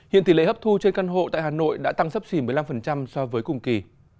hiện tỷ lệ hấp thu trên căn hộ tại hà nội đã tăng sấp xỉ một mươi năm so với cùng kỳ